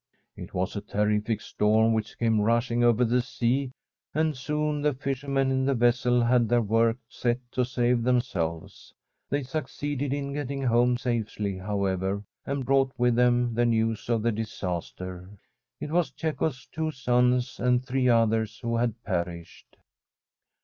It was a terrific storm which came rushing over the sea, and soon the fishermen in the vessel had their work set to save themselves. They suc ceeded in getting home safely, however, and brought with them the news of the disaster. It was Cecco's two sons and three others who had perished.